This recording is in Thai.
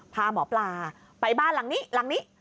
พาหมอปลาไปบ้านหลังนี้หลังนี้